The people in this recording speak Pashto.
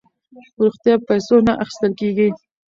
روغتیا په پیسو نه اخیستل کیږي.